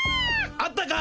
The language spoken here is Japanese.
あったか？